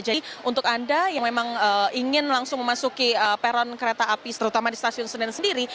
jadi untuk anda yang memang ingin langsung memasuki peron kereta api terutama di stasiun senen sendiri